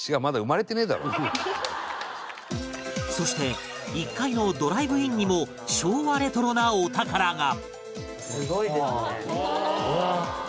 そして１階のドライブインにも昭和レトロなお宝が